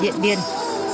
điện biên phủ